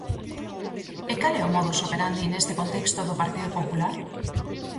¿E cal é o modus operandi neste contexto do Partido Popular?